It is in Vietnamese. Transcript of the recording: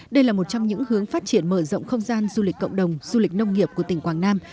đây là một trong những hướng phát triển mở rộng không gian du lịch cộng đồng du lịch nông nghiệp của tỉnh quảng nam